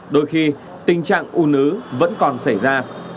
đôi khi tình trạng u nứ vẫn còn xảy ra